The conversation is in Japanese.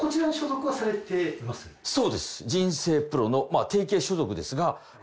そうです。